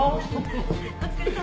お疲れさまです。